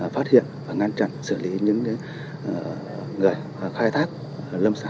phát hiện và ngăn chặn xử lý những người khai thác lâm sản